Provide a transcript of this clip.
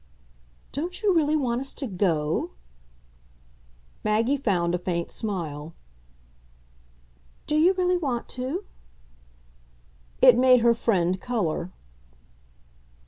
"Don't you really want us to go ?" Maggie found a faint smile. "Do you really want to ?" It made her friend colour.